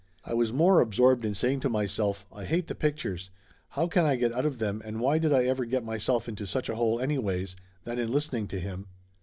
I was more absorbed in saying to myself "I hate the pic tures. How can I get out of them and why did I ever get myself into such a hole, anyways?" than in listen ing to him.